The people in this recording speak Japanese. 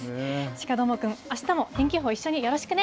鹿どーもくん、あしたも天気予報、一緒によろしくね。